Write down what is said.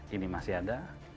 ini masih ada